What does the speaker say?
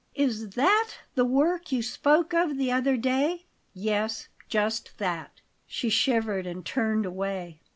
"Is THAT the work you spoke of the other day?" "Yes, just that." She shivered and turned away.